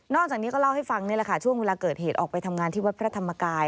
จากนี้ก็เล่าให้ฟังนี่แหละค่ะช่วงเวลาเกิดเหตุออกไปทำงานที่วัดพระธรรมกาย